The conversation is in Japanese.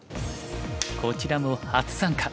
こちらも初参加。